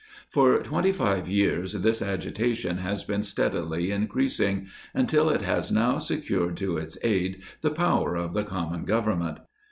For twenty five years this agitation has been steadily increasing, until it has now secured to its aid the power of the Common Government.